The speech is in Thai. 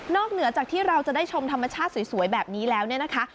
เหนือจากที่เราจะได้ชมธรรมชาติสวยแบบนี้แล้วเนี่ยนะคะ